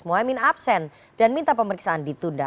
muhaymin absen dan minta pemeriksaan ditunda